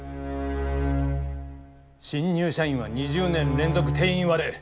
新入社員は２０年連続定員割れ。